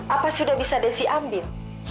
apa sudah bisa desi ambil